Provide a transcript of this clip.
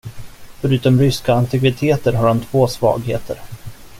Förutom ryska antikviteter, har han två svagheter.